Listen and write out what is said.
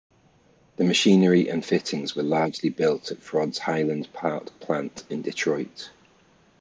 The machinery and fittings were largely built at Ford's Highland Park plant in Detroit.